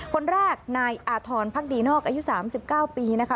คนแรกนายอาธรณ์พรรคดีนอกอายุสามสิบเก้าปีนะคะ